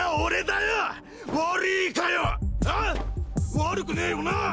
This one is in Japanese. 悪くねぇよな！？